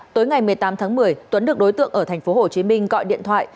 tối ngày một mươi tám tháng một mươi tuấn được đối tượng ở tp hcm gọi điện thoại